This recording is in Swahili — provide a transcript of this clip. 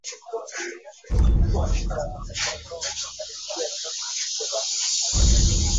Andaa m oto kupikia kama jiko la gesi